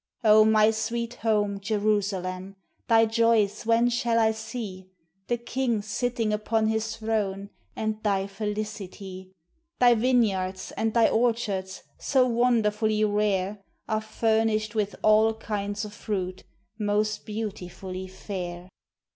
O my sweet home, Jerusalem! Thy joys when shall I see The King sitting upon His throne, And thy felicity? Thy vineyards, and thy orchards, So wonderfully rare, Are furnished with all kinds of fruit, Most beautifully fair.